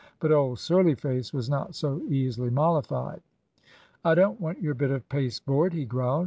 But old Surly Face was not so easily mollified. "'I don't want your bit of pasteboard,' he growled.